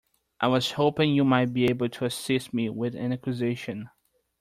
I was hoping you might be able to assist me with an acquisition.